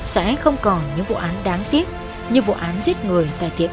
sẽ không còn những vụ án đáng tiếc như vụ án giết người tại tiệm internet nữa